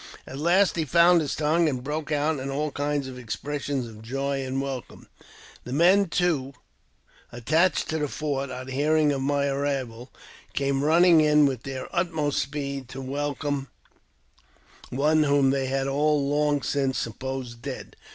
At last he found tongue, and broke out in all kinds of expressions of joy and welcome. The men, too, attached to the fort, on hearing of my arrival, came running 282 AUTOBIOGRAPHY OF in with their utmost speed to welcome one whom they had all long since supposed dead.